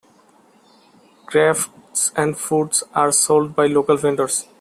Crafts and foods are sold by local vendors.